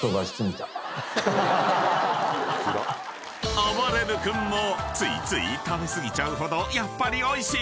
［あばれる君もついつい食べ過ぎちゃうほどやっぱりおいしい！